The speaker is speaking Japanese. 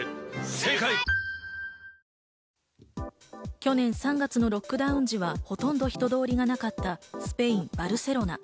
去年３月のロックダウン時はほとんど人通りがなかったスペイン・バルセロナ。